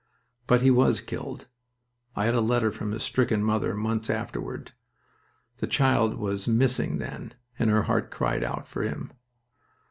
But he was killed... I had a letter from his stricken mother months afterward. The child was "Missing" then, and her heart cried out for him.